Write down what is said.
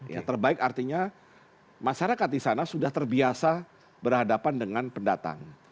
yang terbaik artinya masyarakat di sana sudah terbiasa berhadapan dengan pendatang